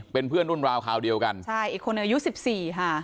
เป็นเพื่อนรุ่นราวคราวเดียวกันใช่อีกคนอายุสิบสี่ค่ะ